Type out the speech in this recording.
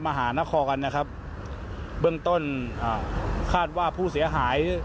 มหานครนะครับเบื้องต้นอ่าคาดว่าผู้เสียหาย